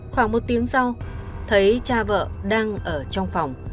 khoảng một tiếng sau thấy cha vợ đang ở trong phòng